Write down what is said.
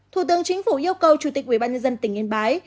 thủ tướng chính phủ yêu cầu chủ tịch ubnd tỉnh yên bái